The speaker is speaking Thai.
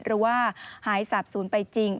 หรือว่าหายสาบศูนย์ไปจริง